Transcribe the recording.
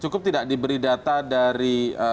cukup tidak diberi data dari